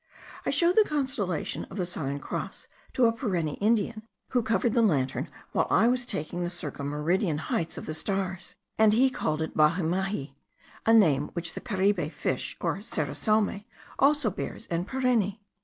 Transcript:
I showed the constellation of the Southern Cross to a Pareni Indian, who covered the lantern while I was taking the circum meridian heights of the stars; and he called it Bahumehi, a name which the caribe fish, or serra salme, also bears in Pareni.